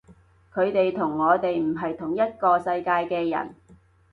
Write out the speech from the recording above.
佢哋同我哋唔係同一個世界嘅人